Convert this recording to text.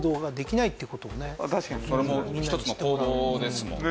それも一つの行動ですもんね。